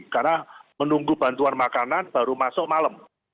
karena menunggu bantuan makanan baru masuk malam